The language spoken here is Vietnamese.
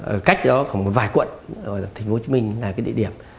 ở cách đó có một vài quận thành phố hồ chí minh là địa điểm